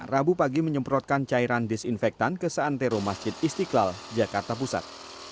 rabu pagi menyemprotkan cairan disinfektan ke santero masjid istiqlal jakarta pusat